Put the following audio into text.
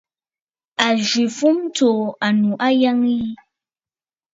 A zwì fûm tso annù a yəgə yi.